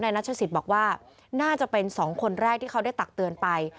นัชศิษย์บอกว่าน่าจะเป็น๒คนแรกที่เขาได้ตักเตือนไป